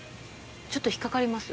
ちょっと引っかかります。